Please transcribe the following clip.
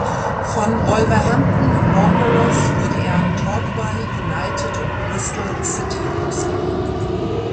Von Wolverhampton Wanderers wurde er an Torquay United und Bristol City ausgeliehen.